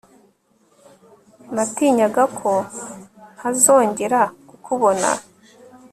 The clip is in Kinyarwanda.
Natinyaga ko ntazongera kukubona